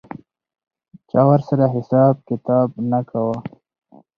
چا ورسره حساب کتاب نه کاوه.